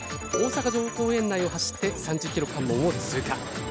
大阪城公園内を走って３０キロ関門を通過。